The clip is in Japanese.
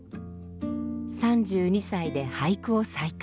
３２歳で俳句を再開。